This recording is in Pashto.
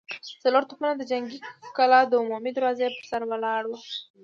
څلور توپونه د جنګي کلا د عمومي دروازې پر سر ولاړ دي.